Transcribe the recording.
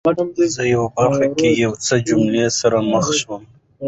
زه یوې برخه کې یو څو جملو سره مخ شوم